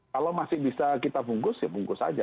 kalau masih bisa kita bungkus ya bungkus aja